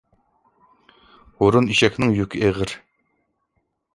ھۇرۇن ئېشەكنىڭ يۈكى ئېغىر.